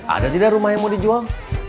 ada tidak rumah yang mau dijual